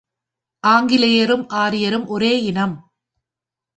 ஆங்கிலேயரும் ஆரியரும் ஒரே இனம்.